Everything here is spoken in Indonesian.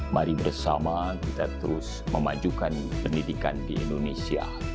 mari bersama kita terus memajukan pendidikan di indonesia